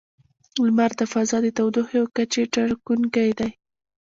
• لمر د فضا د تودوخې او کچې ټاکونکی دی.